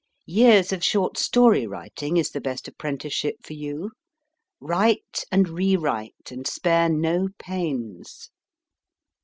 Years of short story writing is the best apprenticeship for you. Write and rewrite, and spare no pains.